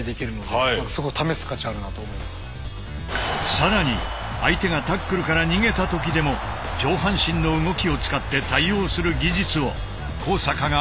更に相手がタックルから逃げた時でも上半身の動きを使って対応する技術を阪が教えてくれた。